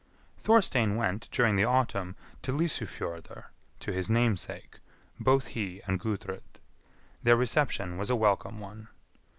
Thorstein went, during the autumn, to Lysufjordr, to his namesake, both he and Gudrid. Their reception was a welcome one.